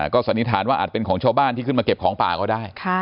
ก็สันนิษฐานว่าอาจเป็นของชาวบ้านที่ขึ้นมาเก็บของป่าก็ได้